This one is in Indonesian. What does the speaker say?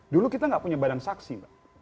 dulu kita nggak punya badan saksi